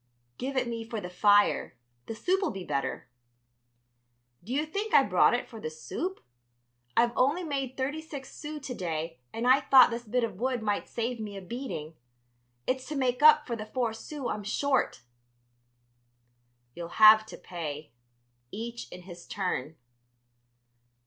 "Give it me for the fire; the soup'll be better." "Do you think I brought it for the soup? I've only made thirty six sous to day and I thought this bit of wood might save me a beating. It's to make up for the four sous I'm short." "You'll have to pay. Each in his turn."